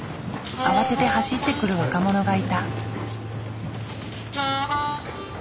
慌てて走ってくる若者がいた。